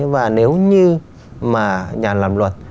và nếu như mà nhà làm luật